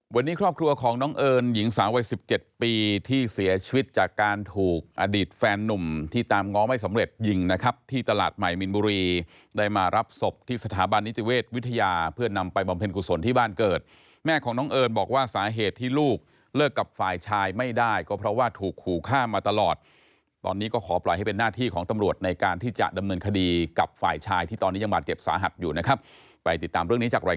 วันนี้ครอบครัวของน้องเอิญหญิง๓วัย๑๗ปีที่เสียชีวิตจากการถูกอดีตแฟนนุ่มที่ตามง้อไม่สำเร็จยิงนะครับที่ตลาดใหม่มิลบุรีได้มารับศพที่สถาบันนิจเวศวิทยาเพื่อนำไปบำเพ็ญกุศลที่บ้านเกิดแม่ของน้องเอิญบอกว่าสาเหตุที่ลูกเลิกกับฝ่ายชายไม่ได้ก็เพราะว่าถูกขู่ฆ่ามาตลอดตอนนี้ก็ขอปล